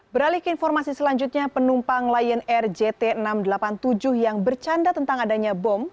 beralik informasi selanjutnya penumpang lion air jt enam ratus delapan puluh tujuh yang bercanda tentang adanya bom